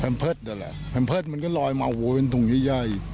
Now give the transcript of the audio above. แพมเพิร์ตแหละแพมเพิร์ตมันก็ลอยมาโหว้เป็นถุงย่าย